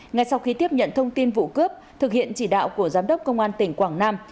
ngay sau khi tiếp nhận thông tin vụ cướp thực hiện chỉ đạo của giám đốc công an tỉnh quảng nam